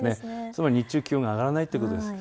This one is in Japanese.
つまり日中、気温が上がらないということです。